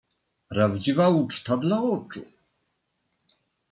"Prawdziwa uczta dla oczu."